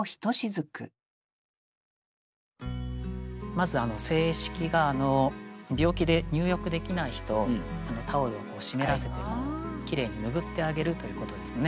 まず「清拭」が病気で入浴できない人をタオルを湿らせてきれいに拭ってあげるということですね。